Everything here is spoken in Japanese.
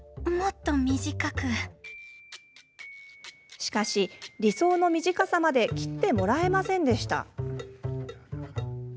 しかし、理想の短さまで切ってもらえませんでした。